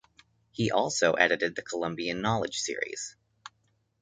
He also edited the Columbian Knowledge Series.